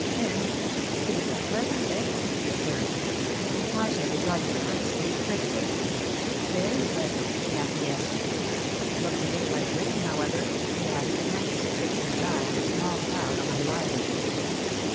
Then, 'It is a pleasant day,' he observed. Marcia regarded the landscape critically. 'Very pleasant,' she acquiesced. 'Looks a little like rain, however,' he added, anxiously fixing his eye on a small cloud on the horizon.